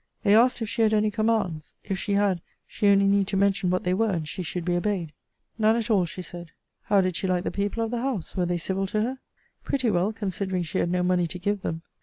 They asked if she had any commands? If she had, she only need to mention what they were, and she should be obeyed. None at all, she said. How did she like the people of the house? Were they civil to her? Pretty well, considering she had no money to give them.